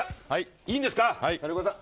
いいんですか。